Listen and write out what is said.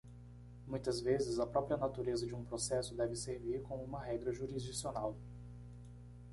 Muitas vezes, a própria natureza de um processo deve servir como uma regra jurisdicional.